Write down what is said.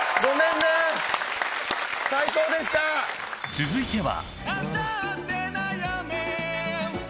続いては。